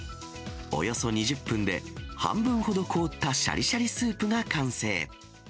およそ２０分で、半分ほど凍ったしゃりしゃりスープが完成。